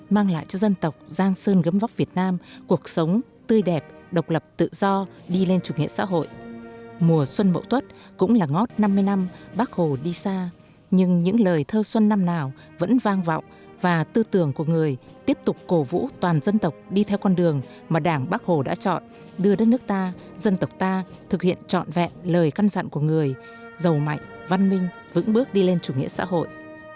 mùa xuân bậu tuất cũng là ngót năm mươi năm bác hồ đi xa nhưng những lời thơ xuân năm nào vẫn vang vọng và tư tưởng của người tiếp tục cổ vũ toàn dân tộc đi theo con đường mà đảng bác hồ đã chọn đưa đất nước ta dân tộc ta thực hiện trọn vẹn lời căn dặn của người giàu mạnh văn minh vững bước đi lên chủ nghĩa xã hội